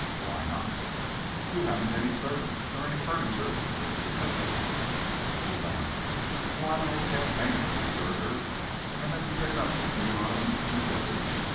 "Why not?" "You haven't any servants nor any furniture nor things to cook with." He laughed. "Oh! I am an old campaigner," he assured her. "I meant to pick up a few oddments in the village.